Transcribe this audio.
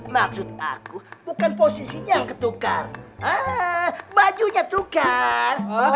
maksud aku bukan posisinya yang ketukar bajunya tukar